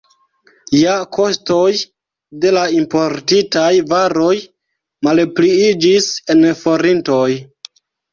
Ja kostoj de la importitaj varoj malpliiĝis en forintoj.